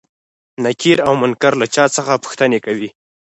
نکير او منکر له چا څخه پوښتنې کوي؟